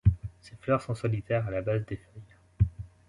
Ses fleurs sont solitaires à la base des feuilles.